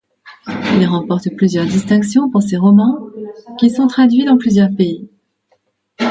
Il remporte plusieurs distinctions pour ses romans qui sont traduits dans plusieurs pays.